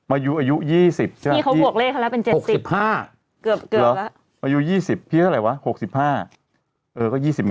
อายุ๒๐ปีเขาบวกเลขแล้วเป็น๖๕เกือบแล้วอายุ๒๐เพื่อนอะไรวะ